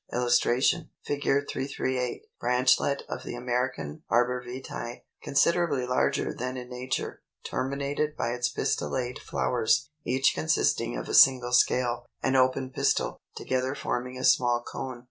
] [Illustration: Fig. 338. Branchlet of the American Arbor Vitæ, considerably larger than in nature, terminated by its pistillate flowers, each consisting of a single scale (an open pistil), together forming a small cone.